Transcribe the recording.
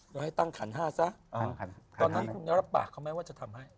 เราให้ตั้งขันห้าซะตอนนั้นคุณรับปากเขาไหมว่าจะทำให้